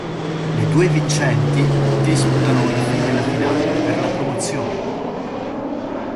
Le due vincenti disputano infine la finale per la promozione.